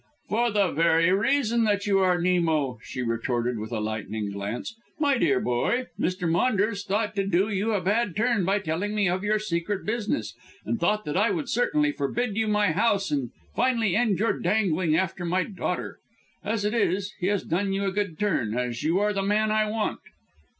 "For the very reason that you are Nemo," she retorted with a lightning glance. "My dear boy, Mr. Maunders thought to do you a bad turn by telling me of your secret business, and thought that I would certainly forbid you my house and finally end your dangling after my daughter. As it is, he has done you a good turn, as you are the man I want."